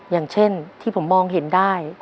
อย่างเช่นที่ผมมองเห็นได้